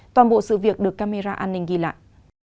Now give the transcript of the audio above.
toàn bộ sự việc được camera an ninh ghi lại